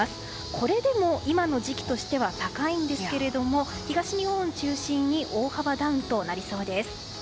これでも今の時期としては高いんですが東日本を中心に大幅ダウンとなりそうです。